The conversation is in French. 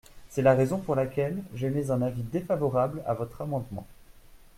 C’est la raison pour laquelle j’émets un avis défavorable à votre amendement.